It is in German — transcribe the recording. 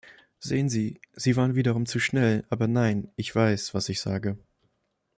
Sehen Sie, Sie waren wiederum zu schnell, aber nein, ich weiß, was ich sage.